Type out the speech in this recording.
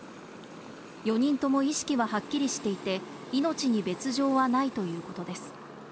４人とも意識ははっきりしていて、命に別状はないということです。